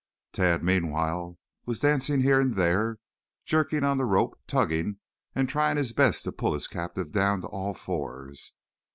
Tad meanwhile was dancing here and there, jerking on the rope, tugging and trying his best to pull his captive down to all fours.